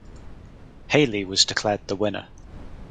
Haley was declared the winner.